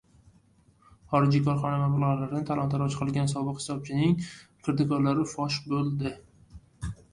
Xorijiy korxona mablag‘larini talon-toroj qilgan sobiq hisobchisining kirdikorlari fosh bo‘ldi